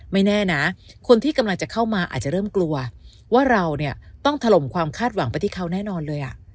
แน่นะคนที่กำลังจะเข้ามาอาจจะเริ่มกลัวว่าเราเนี่ยต้องถล่มความคาดหวังไปที่เขาแน่นอนเลย